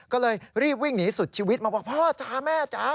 ก็เลยรีบวิ่งหนีสุดชีวิตมาบอกพ่อจ๊ะแม่จ๋า